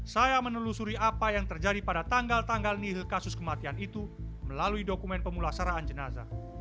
saya menelusuri apa yang terjadi pada tanggal tanggal nihil kasus kematian itu melalui dokumen pemulasaraan jenazah